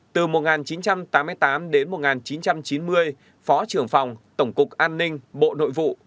từ một nghìn chín trăm tám mươi tám đến một nghìn chín trăm chín mươi phó trưởng phòng tổng cục an ninh bộ nội vụ